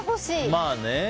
まあね。